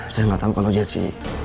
saya gak tau kalau jesse